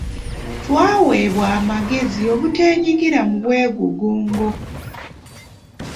Twaweebwa amagezi obuteenyigira mu bwegugungo.